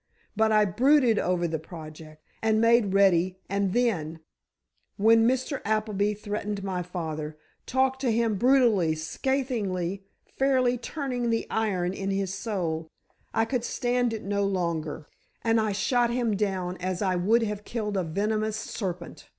But I brooded over the project, and made ready, and then—when Mr. Appleby threatened my father, talked to him brutally, scathingly, fairly turning the iron in his soul—I could stand it no longer, and I shot him down as I would have killed a venomous serpent!